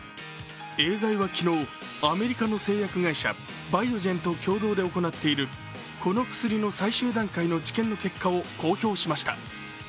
エーザイは昨日、アメリカの製薬会社・バイオジェンと共同で行っているこの薬の最終段階の治験の結果を公表しました。